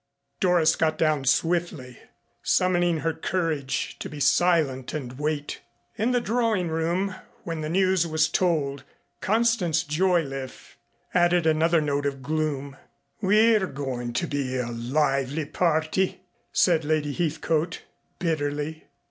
Doris got down swiftly, summoning her courage to be silent and wait. In the drawing room when the news was told, Constance Joyliffe added another note of gloom. "We're going to be a lively party," said Lady Heathcote bitterly.